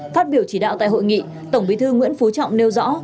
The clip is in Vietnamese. phát biểu chỉ đạo tại hội nghị tổng bí thư nguyễn phú trọng nêu rõ